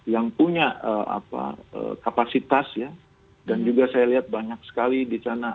yang punya kapasitas ya dan juga saya lihat banyak sekali di sana